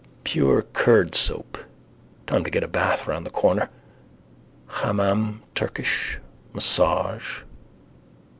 Pure curd soap. Time to get a bath round the corner. Hammam. Turkish. Massage.